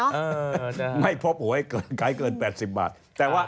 เล่นเนอะเออไม่พบหัวให้เกินขายเกินแปดสิบบาทแต่ว่า